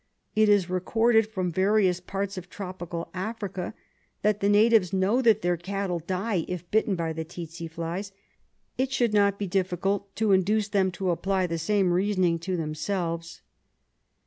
It is recorded from various parts of tropical Africa that the natives know that their cattle die if bitten by the tsetse flies ; it should not be difficult to induce them to apply the same reasoning to themselves."